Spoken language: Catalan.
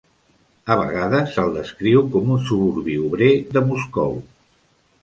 A vegades, se'l descriu com un suburbi obrer de Moscou.